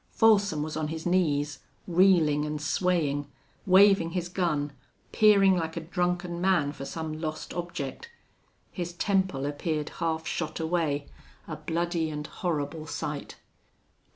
Folsom was on his knees, reeling and swaying, waving his gun, peering like a drunken man for some lost object. His temple appeared half shot away, a bloody and horrible sight.